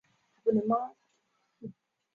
中山勋章为中华民国次高荣誉的文职勋章。